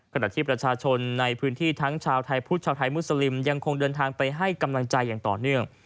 ขณะที่ประชาชนในพื้นที่ทั้งชาวไทยพุทธชาวไทยมุสลิมยังคงเดินทางไปให้กำลังใจอย่างต่อเนื่อง